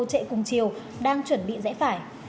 xe ô tô chạy cùng chiều đang chuẩn bị dễ phải